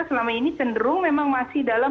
selama ini cenderung memang masih dalam